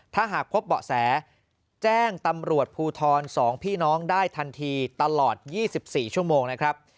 ถ้าหากพบเบาะแสแจ้งตำรวจภูทร๒พี่น้องได้ทันทีตลอด๒๔ชั่วโมงนะครับ